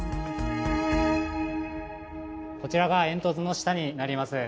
こちらが煙突の下になります。